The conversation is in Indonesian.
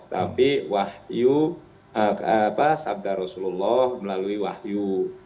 tapi wahyu sabda rasulullah melalui wahyu